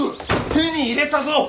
手に入れたぞ！